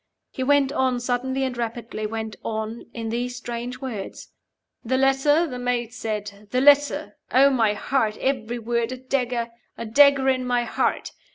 He went on, suddenly and rapidly went on, in these strange words: "'The letter,' the Maid said; 'the letter. Oh my heart. Every word a dagger. A dagger in my heart.